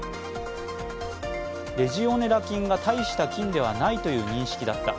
レジオネラ菌が大した菌ではないという認識だった。